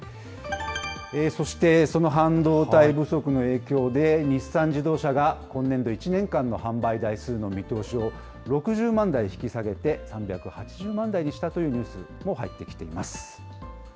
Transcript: そして、その半導体不足の影響で、日産自動車が今年度１年間の販売台数の見通しを６０万台引き下げて、３８０万台にしたというニュースも入ってきています。